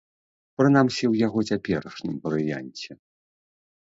Прынамсі ў яго цяперашнім варыянце.